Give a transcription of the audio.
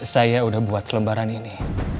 saya udah buat selembaran ini